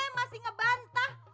eh masih ngebantah